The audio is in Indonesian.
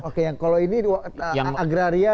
oke kalau ini agraria